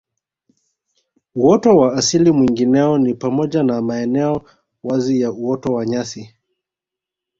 Uoto wa asili mwingineo ni pamoja na maeneo wazi ya uoto wa nyasi